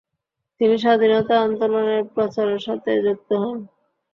তিনি স্বাধীনতা আন্দোলনের প্রচারের সাথে যুক্ত হন।